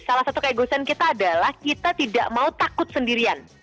salah satu keegosan kita adalah kita tidak mau takut sendirian